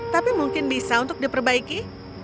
tapi mungkin bisa untuk diperbaiki